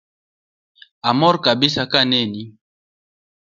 Amor kabisa kaneni